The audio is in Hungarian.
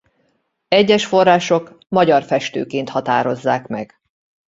Egyes források magyar festőként határozzák meg.